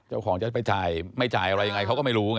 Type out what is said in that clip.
เจ้าของจะไปจ่ายไม่จ่ายอะไรยังไงเขาก็ไม่รู้ไง